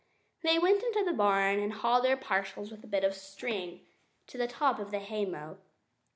They went into the barn and hauled their parcels with a bit of string to the top of the haymow.